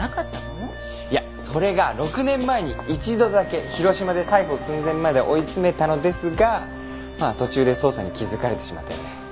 いやそれが６年前に一度だけ広島で逮捕寸前まで追い詰めたのですがまあ途中で捜査に気づかれてしまって。